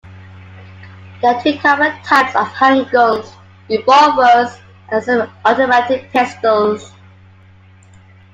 There are two common types of handguns: revolvers and semi-automatic pistols.